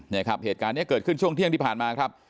นี่ครับเหตุการณ์นี้เกิดขึ้นช่วงเที่ยงที่ผ่านมาครับ